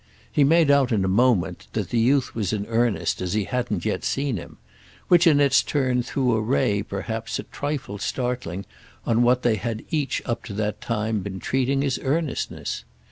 He made out in a moment that the youth was in earnest as he hadn't yet seen him; which in its turn threw a ray perhaps a trifle startling on what they had each up to that time been treating as earnestness.